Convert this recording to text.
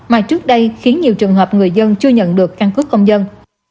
mà trước đây khiến nhiều trường hợp người dân chưa nhận được căn cước công dân